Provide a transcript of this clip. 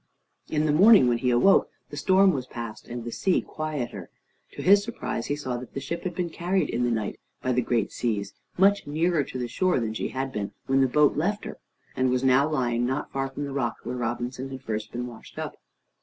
In the morning when he awoke, the storm was past, and the sea quieter. To his surprise, he saw that the ship had been carried in the night, by the great seas, much nearer to the shore than she had been when the boat left her, and was now lying not far from the rock where Robinson had first been washed up.